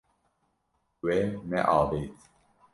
We neavêt.